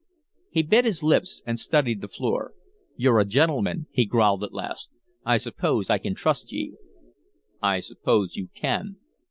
He bit his lips and studied the floor. "You're a gentleman," he growled at last. "I suppose I can trust ye." "I suppose you can."